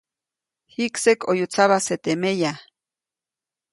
Jikseʼk ʼoyu tsabajse teʼ meya.